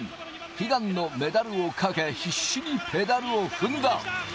悲願のメダルをかけ、必死にペダルを踏んだ。